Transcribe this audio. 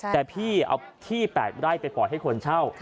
แต่พี่เอาที่๘ไร่ไปปล่อยให้คนเช่า